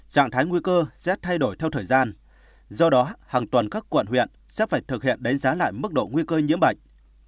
trạng thái nguy cơ rét thay đổi theo thời gian do đó hàng tuần các quận huyện sẽ phải thực hiện đánh giá lại mức độ nguy cơ nhiễm bệnh